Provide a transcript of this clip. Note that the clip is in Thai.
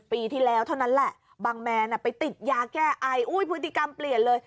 ปีที่แล้วเท่านั้นแหละบางแมนไปติดยาแก้ไออุ้ยพฤติกรรมเปลี่ยนเลย